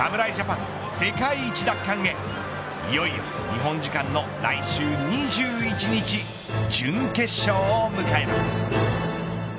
侍ジャパン世界一奪還へいよいよ日本時間の来週２１日準決勝を迎えます。